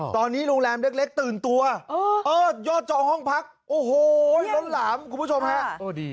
ตอนนี้โรงแรมเล็กตื่นตัวยอดจองห้องพักโอ้โหล้นหลามคุณผู้ชมฮะ